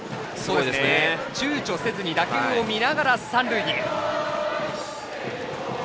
ちゅうちょせずに打球を見ながら三塁へ。